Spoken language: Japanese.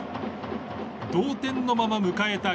同点のまま迎えた